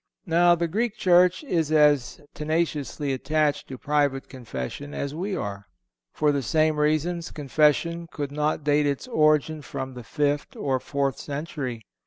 Now, the Greek church is as tenaciously attached to private Confession as we are. For the same reasons Confession could not date its origin from the fifth or fourth century.